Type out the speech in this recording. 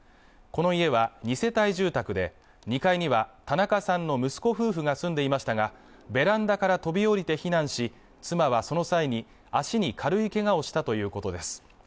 この家は２世帯住宅で２階には田中さんの息子夫婦が住んでいましたがベランダから飛び降りて避難し妻はその際に足に軽いけがをしたということです